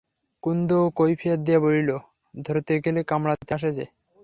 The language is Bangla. কুন্দও কৈফিয়ত দিয়া বলিল, ধরতে গেলে কামড়াতে আসে যে!